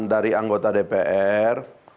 dari anggota dpr